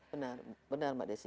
benar benar mbak desy